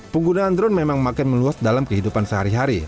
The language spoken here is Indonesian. penggunaan drone memang makin meluas dalam kehidupan sehari hari